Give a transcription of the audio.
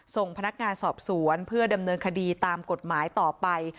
ส่งพนักงานสอบสวนเพื่อดำเนินคดีตามกฎหมายต่อไป